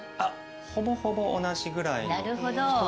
ほぼほぼ同じぐらいの。